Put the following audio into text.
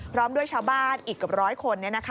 พร้อมด้วยชาวบ้านอีกกับ๑๐๐คน